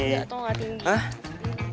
gak tau gak tinggi